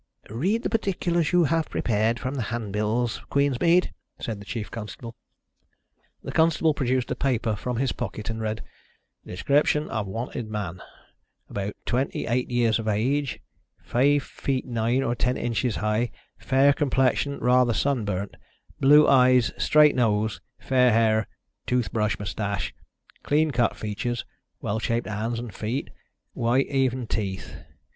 "Read the particulars you have prepared for the hand bills, Queensmead," said the chief constable. The constable produced a paper from his pocket and read: "Description of wanted man: About 28 years of age, five feet nine or ten inches high, fair complexion rather sunburnt, blue eyes, straight nose, fair hair, tooth brush moustache, clean cut features, well shaped hands and feet, white, even teeth.